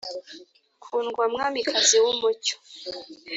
kundwa mwamikazi w’umucyo